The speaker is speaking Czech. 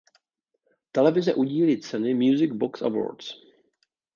Televize udílí ceny Music Box Awards.